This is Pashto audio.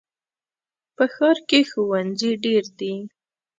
په ښار کې ښوونځي ډېر دي.